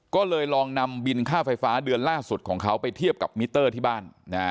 ก็เลยลองนำบินค่าไฟฟ้าเดือนล่าสุดของเขาไปเทียบกับมิเตอร์ที่บ้าน